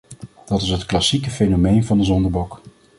Dat is het klassieke fenomeen van de zondebok.